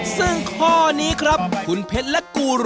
ซึ่งข้อนี้ครับคุณเพชรและกูรู